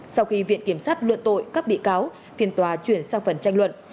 sau khi viện kiểm sát luận tội các bị cáo phiên tòa chuyển sang phần tranh luận